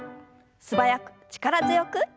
素早く力強く。